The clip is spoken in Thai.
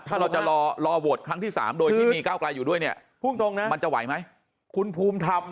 ถ้าเราจะรอโหวตครั้งที่๓โดยที่มีก้าวไกลอยู่ด้วยเนี่ยมันจะไหวไหมคุณภูมิธรรม